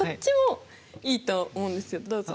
どうぞ。